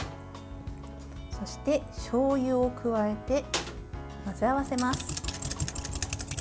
そして、しょうゆを加えて混ぜ合わせます。